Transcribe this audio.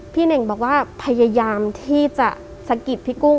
เน่งบอกว่าพยายามที่จะสะกิดพี่กุ้ง